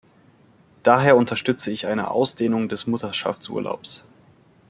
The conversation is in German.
Daher unterstütze ich eine Ausdehnung des Mutterschaftsurlaubs.